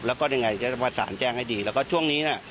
แล้วก็ยังไงจะประสานแจ้งให้ดีแล้วก็ช่วงนี้น่ะ